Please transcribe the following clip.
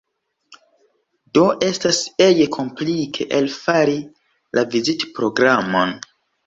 Do estas ege komplike elfari la vizitprogramon.